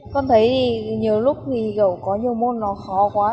con thấy nhiều lúc mình kiểu có nhiều môn nó khó quá